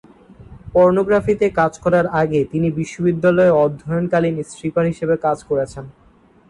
পর্নোগ্রাফিতে কাজ করার আগে তিনি বিশ্ববিদ্যালয়ে অধ্যয়নকালীন স্ট্রিপার হিসাবে কাজ করেছেন।